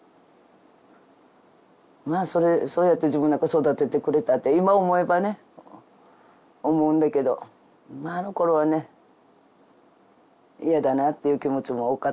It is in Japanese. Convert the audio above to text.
まあそうやって自分なんかを育ててくれたって今思えばね思うんだけどあのころはね嫌だなっていう気持ちも多かったし。